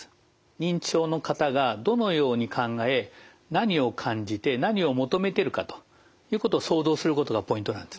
認知症の方がどのように考え何を感じて何を求めてるかということを想像することがポイントなんですね。